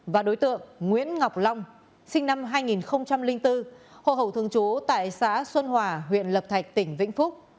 và đối tượng nguyễn ngọc long sinh năm hai nghìn bốn hồ hậu thường chú tại xã xuân hòa huyện lập thạch tỉnh vĩnh phúc